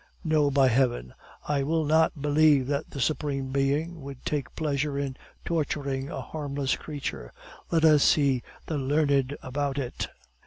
No, by Heaven, I will not believe that the Supreme Being would take pleasure in torturing a harmless creature. Let us see the learned about it."